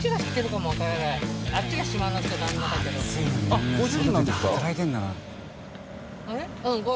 あっご主人なんですか。